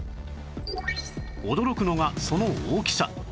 驚くのがその大きさ